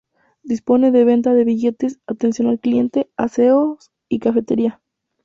Dispone de venta de billetes, atención al cliente, aseos y cafetería.